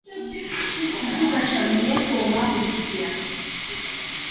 სი ქურცუ გაჩამუნია დო მა გურცია.